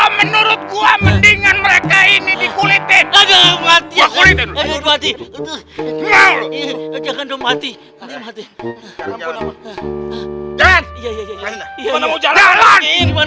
menurut gua mendingan mereka ini di kulitin